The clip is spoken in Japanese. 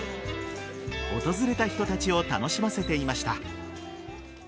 訪れた人たちを楽しませていました。